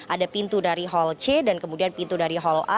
ada pintu dari hall c dan kemudian pintu dari hal a